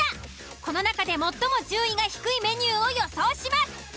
この中で最も順位が低いメニューを予想します。